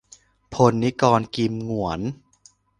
พล นิกร กิมหงวน